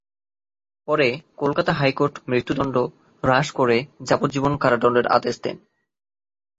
পরে কলকাতা হাইকোর্ট মৃত্যুদণ্ড হ্রাস করে যাবজ্জীবন কারাদণ্ডের আদেশ দেন।